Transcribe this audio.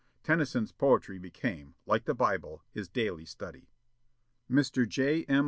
Tennyson's poetry became, like the Bible, his daily study. Mr. J. M.